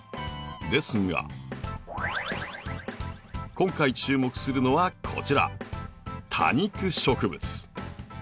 ですが今回注目するのはこちら多肉植物。